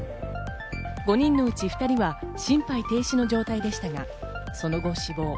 ５人のうち２人は心肺停止の状態でしたが、その後、死亡。